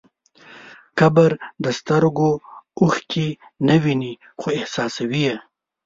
قبر د سترګو اوښکې نه ویني، خو احساسوي.